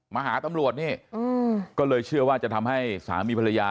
มาหาตำรวจนี่ก็เลยเชื่อว่าจะทำให้สามีภรรยา